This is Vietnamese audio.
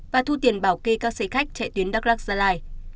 và thu tiền bảo kê các xe khách chạy tuyến đắk lắc gia lai